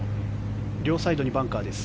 両サイドにバンカーです。